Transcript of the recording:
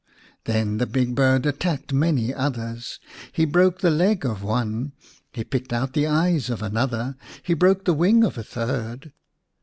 Then the big bird attacked many others. He broke the leg of one, he picked out the eyes of another, he broke the wing of a third.